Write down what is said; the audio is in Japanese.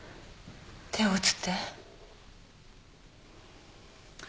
手を打つって？